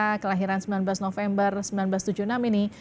diketahui juga punya rumah mewah yang berlokasi di pantai indah kapok